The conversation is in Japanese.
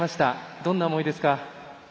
どんな思いですか？